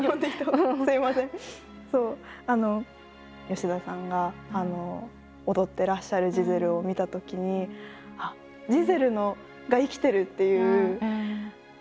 吉田さんが踊ってらっしゃる「ジゼル」を観たときに「あっジゼルが生きてる！」っていう。